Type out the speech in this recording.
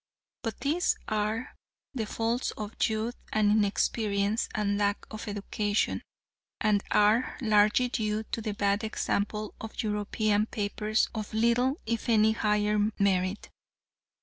But these are the faults of youth and inexperience and lack of education, and are largely due to the bad example of European papers of little if any higher merit.